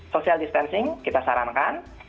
social distancing kita sarankan